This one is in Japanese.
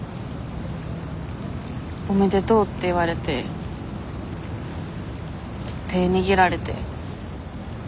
おめでとうって言われて手握られて。